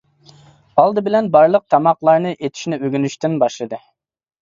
ئالدى بىلەن بارلىق تاماقلارنى ئېتىشنى ئۆگىنىشتىن باشلىدى.